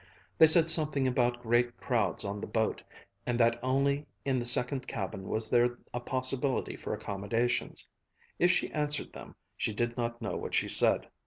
They said something about great crowds on the boat, and that only in the second cabin was there a possibility for accommodations. If she answered them, she did not know what she said.